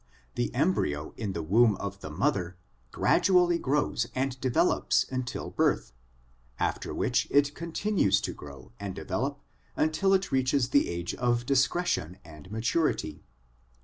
The embryo in the womb of the mother gradually grows and develops until birth, after which it continues to grow and develop until it reaches the age of discretion and maturity.